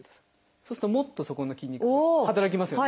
そうするともっとそこの筋肉が働きますよね。